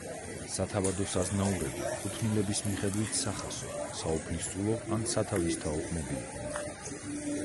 სათავადოს აზნაურები კუთვნილების მიხედვით სახასო, საუფლისწულო ან სათავისთაო ყმები იყვნენ.